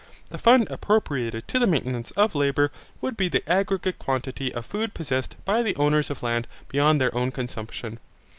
The fund appropriated to the maintenance of labour would be the aggregate quantity of food possessed by the owners of land beyond their own consumption.